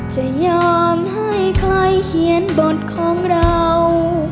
จะยอมให้ใครเขียนบทของเรา